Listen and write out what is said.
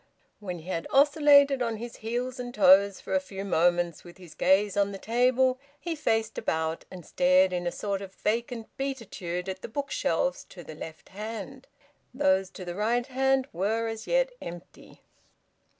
When he had oscillated on his heels and toes for a few moments with his gaze on the table, he faced about, and stared in a sort of vacant beatitude at the bookshelves to the left hand; those to the right hand were as yet empty.